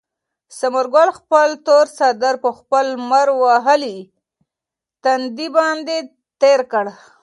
ثمر ګل خپل تور څادر په خپل لمر وهلي تندي باندې تېر کړ.